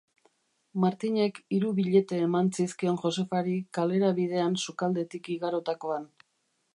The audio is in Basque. Martinek hiru billete eman zizkion Josefari kalera bidean sukaldetik igarotakoan.